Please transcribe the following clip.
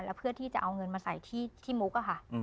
แล้วเพื่อที่จะเอาเงินมาใส่ที่มุกอะค่ะ